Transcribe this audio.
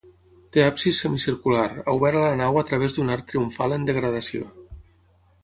Té absis semicircular, obert a la nau a través d'un arc triomfal en degradació.